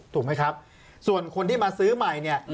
ถูกไหมครับส่วนคนที่มาซื้อใหม่เนี่ย